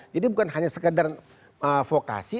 jadi bukan hanya sekadar vokasi